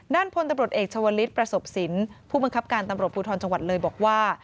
พลตำรวจเอกชาวลิศประสบสินผู้บังคับการตำรวจภูทรจังหวัดเลยบอกว่า